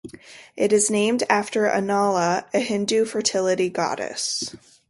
It is named after Anala, a Hindu fertility goddess.